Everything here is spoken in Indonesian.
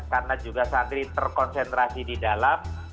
karena juga santri terkonsentrasi di dalam